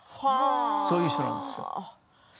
そういう人なんですよ。